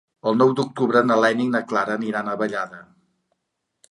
El nou d'octubre na Lena i na Clara aniran a Vallada.